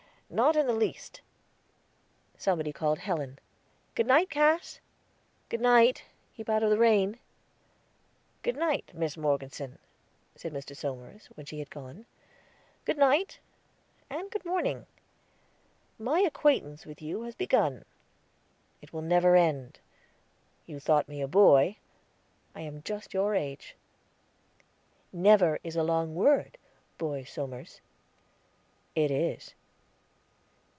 "Not in the least." Somebody called Helen. "Good night, Cass." "Good night; keep out of the rain." "Good night, Miss Morgeson," said Mr. Somers, when she had gone. "Good night and good morning. My acquaintance with you has begun; it will never end. You thought me a boy; I am just your age." "'Never,' is a long word, Boy Somers." "It is."